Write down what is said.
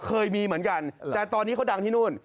เคยมีเหมือนกันแต่ตอนนี้เขาดังที่นู่น